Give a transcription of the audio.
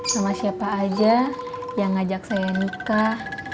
sama siapa aja yang ngajak saya nikah